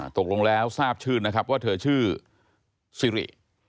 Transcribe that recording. ตกลงแล้วทราบชื่อนะครับว่าเธอชื่อซิริ